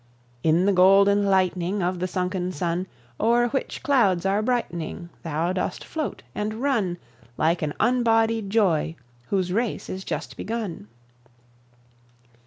In the golden lightning Of the sunken sun, O'er which clouds are brightening, Thou dost float and run, Like an unbodied joy whose race is just begun.